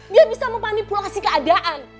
dia bisa memanipulasi keadaan